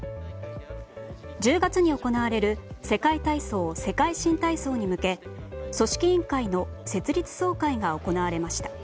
１０月に行われる世界体操、世界新体操に向け組織委員会の設立総会が行われました。